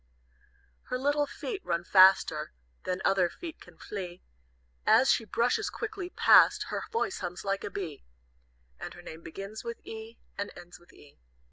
"Her little feet run faster Than other feet can flee, As she brushes quickly past, her Voice hums like a bee, And her name begins with E, and ends with E.